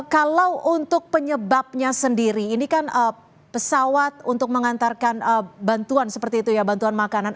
kalau untuk penyebabnya sendiri ini kan pesawat untuk mengantarkan bantuan seperti itu ya bantuan makanan